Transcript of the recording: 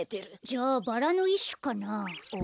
じゃバラのいっしゅかな。